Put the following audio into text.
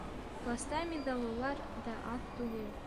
Класта миҙаллылар ҙа аҙ түгел.